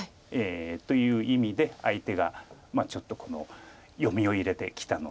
という意味で相手がちょっと読みを入れてきたので。